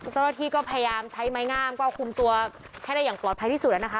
เจ้าหน้าที่ก็พยายามใช้ไม้งามก็คุมตัวให้ได้อย่างปลอดภัยที่สุดแล้วนะคะ